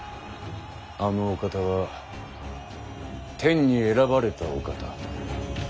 あのお方は天に選ばれたお方。